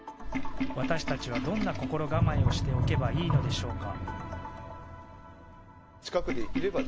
私たちはどんな心構えをしておけばいいのでしょうか？